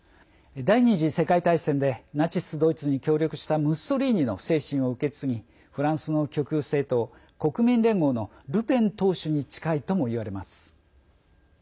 第２次世界大戦でナチス・ドイツに協力したムッソリーニの精神を受け継ぎフランスの極右政党国民連合のルペン党首に近いともいわれています。